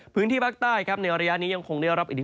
พื้นที่ภาคใต้ในอรยะนี้ยังคงได้รับอิทธิพล